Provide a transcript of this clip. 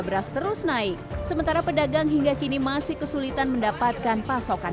beras terus naik sementara pedagang hingga kini masih kesulitan mendapatkan pasokan